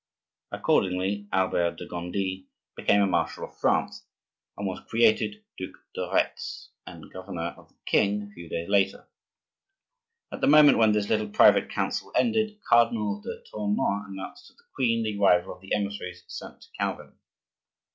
Accordingly, Albert de Gondi became a marshal of France and was created Duc de Retz and governor of the king a few days later. At the moment when this little private council ended, Cardinal de Tournon announced to the queen the arrival of the emissaries sent to Calvin.